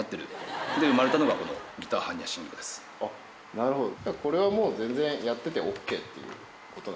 なるほど。